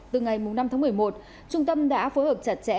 từ ngày năm tháng một mươi một trung tâm đã phối hợp chặt chẽ